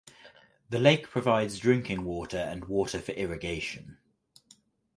The lake provides drinking water and water for irrigation.